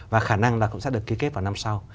và khả năng là cũng sẽ được ký kết vào năm sau